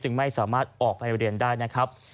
ไม่สามารถออกไปเรียนได้นะครับ